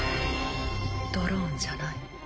ドローンじゃない。